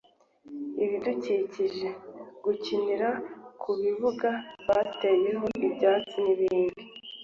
ibidukikije gukinira ku bibuga bateyeho ibyatsi n ibindi